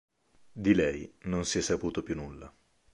Di lei non si è saputo più nulla.